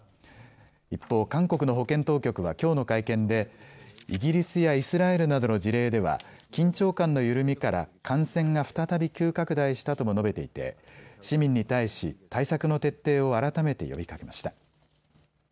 一方、韓国の保健当局はきょうの会見でイギリスやイスラエルなどの事例では緊張感の緩みから感染が再び急拡大したとも述べていて市民に対し対策の徹底を改めて呼びかけました。